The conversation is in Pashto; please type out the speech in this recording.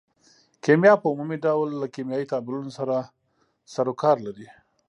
کیمیا په عمومي ډول له کیمیاوي تعاملونو سره سرو کار لري.